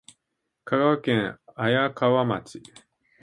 香川県綾川町